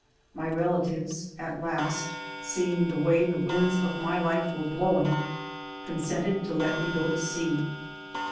My relatives, at last seeing the way the winds of my life were blowing, consented to let me go to sea.